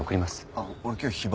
あっ俺今日非番。